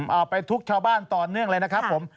เอาไปทุกชาวบ้านต่อเนื่องเลยนะครับผม